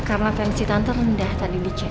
karena pensi tante rendah tadi di cem